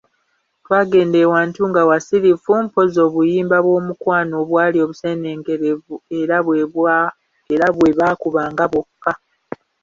Twagenda ewantu nga wasirifu mpozzi obuyimba bw'omukwano obwali obuseeneekerevu era bwe baakubanga bwokka.